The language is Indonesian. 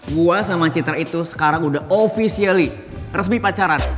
gua sama citra itu sekarang udah officially resmi pacaran